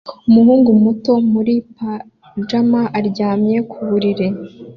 umuhungu muto muri pajama aryamye ku buriri